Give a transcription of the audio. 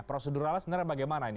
proseduralnya sebenarnya bagaimana ini